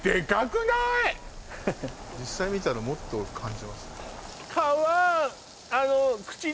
実際見たらもっと感じますね